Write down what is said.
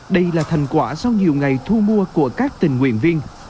đây là thành quả sau nhiều ngày thu mua của các tình nguyện viên